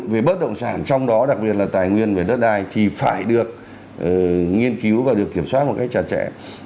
về bất động sản trong đó đặc biệt là tài nguyên về đất đai thì phải được nghiên cứu và được kiểm soát một cách chặt chẽ